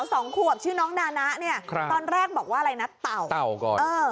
แล้วสองคู่ชื่อน้องนานะเนี่ยตอนแรกบอกว่าอะไรนะเต่าก่อน